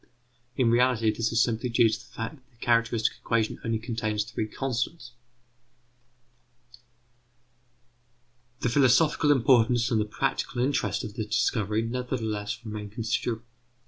In reality, this is simply due to the fact that the characteristic equation only contains three constants. The philosophical importance and the practical interest of the discovery nevertheless remain considerable.